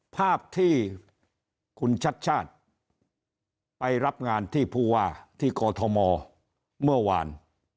ภาพที่คุณชัดชาติไปรับงานที่ผู้ว่าที่กอทมเมื่อวาน